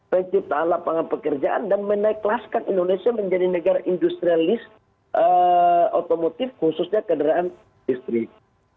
penciptaan lapangan pekerjaan dan menaikhlaskan indonesia menjadi negara industrialis otomotif khususnya kendaraan listrik